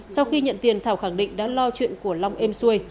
sau khi nhận tiền thảo khẳng định đã lo chuyện của long êm xuôi